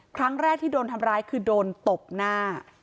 ครั้งแรกที่โดนทำร้ายคือโดนตบหน้า